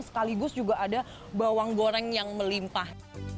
sekaligus juga ada bawang goreng yang melimpah